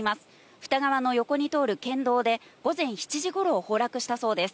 布田川の横を通る県道で午前７時ごろ、崩落したそうです。